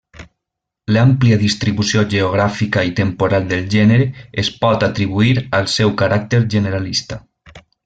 L'àmplia distribució geogràfica i temporal del gènere es pot atribuir al seu caràcter generalista.